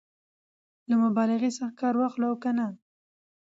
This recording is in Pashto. له مبالغې څخه کار واخلو او که نه؟